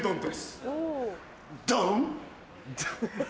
ドン？